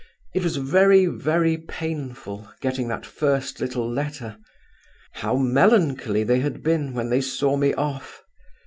It was very, very painful, getting that first little letter. How melancholy they had been when they saw me off!